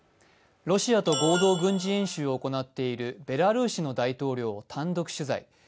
ロシアと合同軍事演習を行っているベラルーシの大統領単独取材。